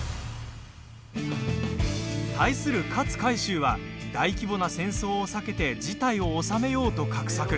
対する勝海舟は大規模な戦争を避けて事態を収めようと画策。